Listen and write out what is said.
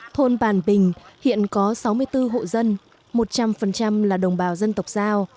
thôn bàn bình hiện có sáu mươi bốn hộ dân một trăm linh là đồng bào dân tộc giao